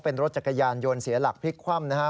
เป็นรถจักรยานยนต์เสียหลักพลิกคว่ำนะฮะ